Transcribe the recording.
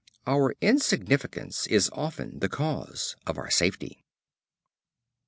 Our insignificance is often the cause of our safety.